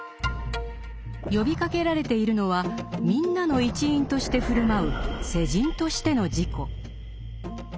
呼びかけられているのは「みんな」の一員として振る舞う「世人としての自己」。